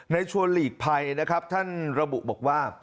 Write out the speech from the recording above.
ชวนหลีกภัยนะครับท่านระบุบอกว่า